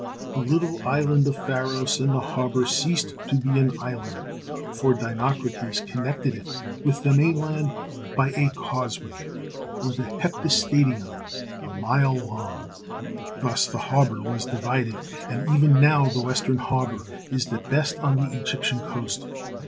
The little island 172 THE SEl/EN WONDERS of Pharos in the harbour ceased to be an island, for Dinocrates connected it with the mainland by a causeway, or the Heptastadion, a mile long. Thus the harbour was divided, and even now the western harbour is the best on the Egyptian coast.